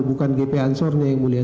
bukan gp ansornya yang mulia